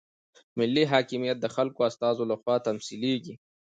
ملي حاکمیت د خلکو د استازو لخوا تمثیلیږي.